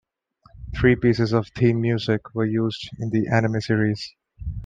Three pieces of theme music were used in the anime series.